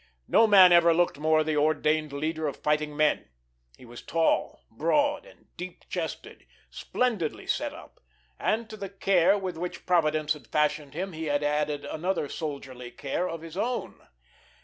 No man ever looked more the ordained leader of fighting men. He was tall, broad, and deep chested, splendidly set up; and to the care with which Providence had fashioned him he had added soldierly care of his own.